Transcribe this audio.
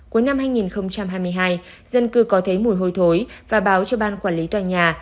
cuối năm hai nghìn hai mươi hai dân cư có thấy mùi hôi thối và báo cho ban quản lý tòa nhà